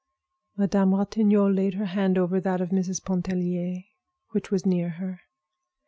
Madame Ratignolle laid her hand over that of Mrs. Pontellier, which was near her.